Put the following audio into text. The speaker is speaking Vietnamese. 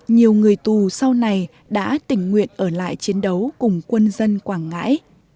nhiều người tù sau này đã tình nguyện ở lại chiến đấu cùng quân dân quảng ngãi